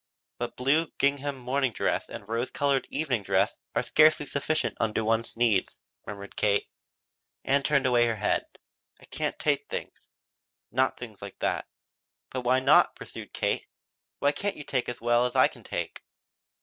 "But blue gingham morning dress and rose colored evening dress are scarcely sufficient unto one's needs," murmured Kate. Ann turned away her head. "I can't take things not things like that." "But why not?" pursued Kate. "Why can't you take as well as I can take?"